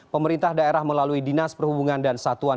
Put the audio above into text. pemerintah daerah melalui dinas perhubungan dan satuan